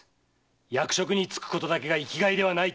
役職に就くことだけが生きがいではないと。